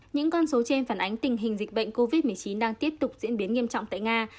những con số trên phản ánh tình hình dịch bệnh covid một mươi chín đang tiếp tục diễn biến nghiêm trọng tại nga